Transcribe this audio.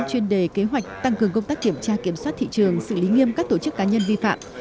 chuyên đề kế hoạch tăng cường công tác kiểm tra kiểm soát thị trường xử lý nghiêm các tổ chức cá nhân vi phạm